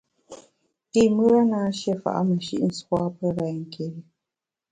Pü mùra na shié fa’ meshi’ nswa pe renké́ri.